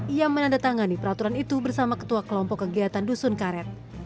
ia menandatangani peraturan itu bersama ketua kelompok kegiatan dusun karet